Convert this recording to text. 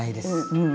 うん。